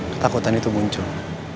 ketakutan itu muncul